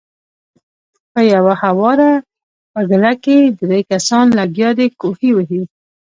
پۀ يوه هواره بګله کښې درې کسان لګيا دي کوهے وهي